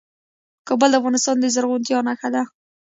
کابل د افغانستان د زرغونتیا نښه ده.